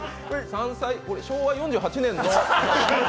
昭和４８年の？